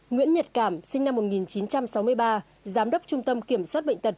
nguyễn nhật cảm sinh năm một nghìn chín trăm sáu mươi ba giám đốc trung tâm kiểm soát bệnh tật